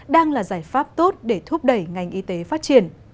đang là giải pháp tốt để thúc đẩy ngành y tế phát triển